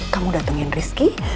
kamu datengin rizky